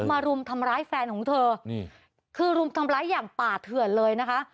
รุมทำร้ายแฟนของเธอนี่คือรุมทำร้ายอย่างป่าเถื่อนเลยนะคะ